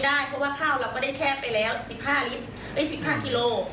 เพราะว่าข้าวเราได้แค่ไปแล้ว๑๕กิโล